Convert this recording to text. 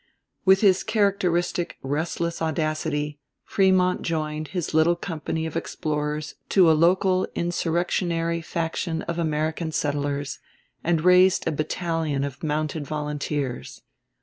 With his characteristic restless audacity Frémont joined his little company of explorers to a local insurrectionary faction of American settlers, and raised a battalion of mounted volunteers.